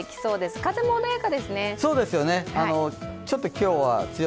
風も穏やかですね。